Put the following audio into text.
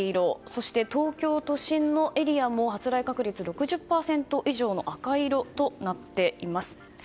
そして、東京都心のエリアも発雷確率６０％以上の赤色となっています。